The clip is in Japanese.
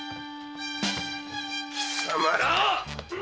貴様ら！